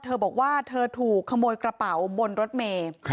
เธอบอกว่าเธอถูกขโมยกระเป๋าบนรถเมย์